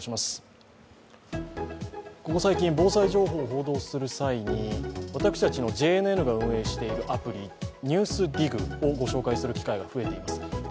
ここ最近、防災情報を報道する際に私たちのＪＮＮが運営しているアプリ「ＮＥＷＳＤＩＧ」をご紹介する機会が増えています。